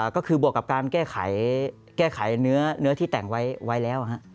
ก็คือบวกกับการแก้ไขเนื้อที่แต่งไว้แล้ว